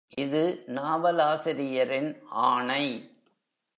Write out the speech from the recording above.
இது நாவலாசிரியரின் ஆணை.